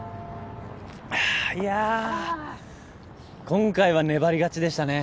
今回は粘り勝ちでしたね。